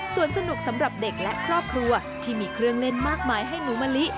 ส่วนสนุกสำหรับเด็กและครอบครัวที่มีเครื่องเล่นมากมายให้หนูมะลิ